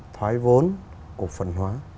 thoái vốn của phần hóa